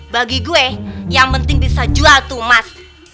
bagi gue yang penting bisa jual tuh mas